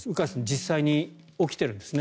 実際に起きているんですね